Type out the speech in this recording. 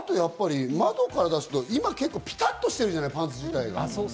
窓から出すと、結構ピタっとしてるじゃない、パンツ自体が。